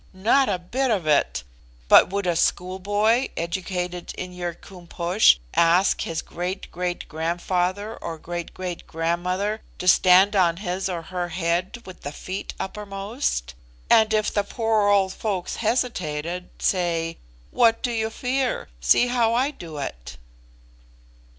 not a bit of it. But would a schoolboy, educated in your Koom Posh, ask his great great grandfather or great great grandmother to stand on his or her head with the feet uppermost? And if the poor old folks hesitated say, 'What do you fear? see how I do it!